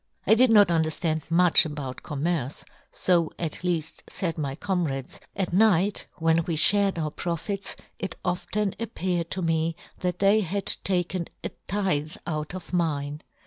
" I did not underftand much about " commerce, fo at leaft faid my com " rades ; at night when we (hared " our profits it often appeared to me " that they had taken a tithe out of " mine.